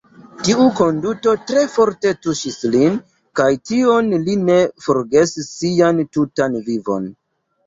Tiu konduto tre forte tuŝis lin kaj tion li ne forgesis sian tutan vivon.